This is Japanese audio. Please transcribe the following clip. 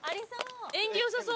縁起良さそう。